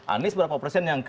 anies berapa persen yang ke